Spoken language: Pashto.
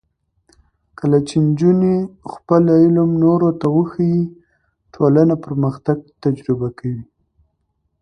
کله چې نجونې خپل علم نورو ته وښيي، ټولنه پرمختګ تجربه کوي.